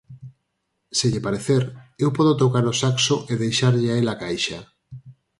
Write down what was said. _Se lle parecer, eu podo tocar o saxo e deixarlle a el a caixa.